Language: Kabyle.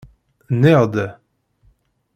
Nniɣ-d.